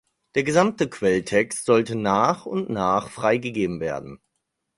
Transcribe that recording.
Der gesamte Quelltext sollte nach und nach freigegeben werden.